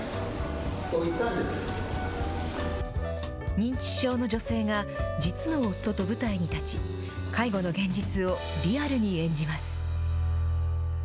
認知症の女性が実の夫と舞台に立ち、介護の現実をリアルに演じます。